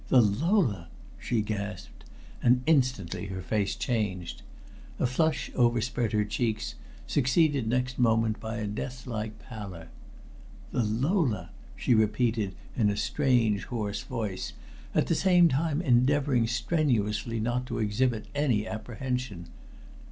"The Lola!" she gasped, and instantly her face changed. A flush overspread her cheeks, succeeded next moment by a death like pallor. "The Lola!" she repeated in a strange, hoarse voice, at the same time endeavoring strenuously not to exhibit any apprehension.